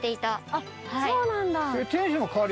あっそうなんだ。